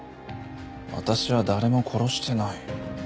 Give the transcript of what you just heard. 私は誰も殺してない。